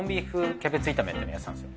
キャベツ炒めっていうのやってたんですよ。